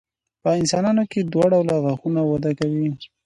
په انسانانو کې دوه ډوله غاښونه وده کوي.